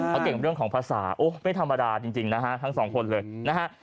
เขาเก่งเรื่องของภาษาโอ้ไม่ธรรมดาจริงนะฮะทั้งสองคนเลยนะฮะ